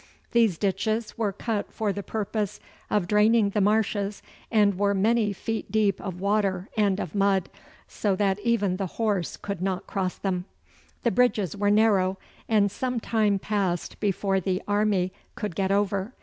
These ditches were cut for the purpose of draining the marshes, and were many feet deep of water and of mud, so that even the horse could not cross them. The bridges were narrow, and some time passed before the army could get over.